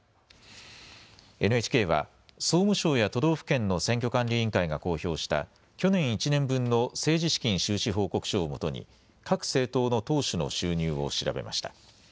ＮＨＫは総務省や都道府県の選挙管理委員会が公表した去年１年分の政治資金収支報告書をもとに各政党の党首の収入を調べました。